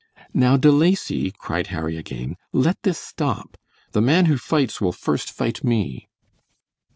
"Now, De Lacy," cried Harry, again, "let this stop. The man who fights will first fight me!"